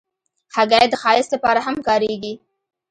هګۍ د ښایست لپاره هم کارېږي.